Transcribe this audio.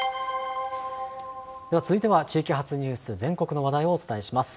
では続いては地域発ニュース、全国の話題をお伝えします。